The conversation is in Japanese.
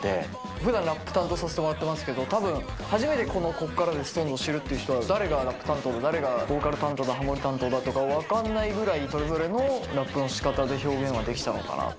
ふだんラップ担当させてもらってますけど、たぶん初めてこのこっからでＳｉｘＴＯＮＥＳを知るっていう人は誰がラップ担当で誰がボーカル担当でハモリ担当とか分かんないぐらい、それぞれのラップのしかたで表現はできたのかなと。